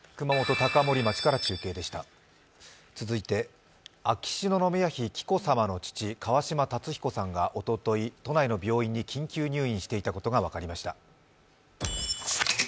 続いて秋篠宮妃・紀子さまの父・川嶋辰彦さんがおととい都内の病院に緊急入院していたことが分かりました。